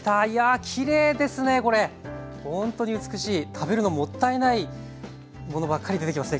食べるのもったいないものばっかり出てきますね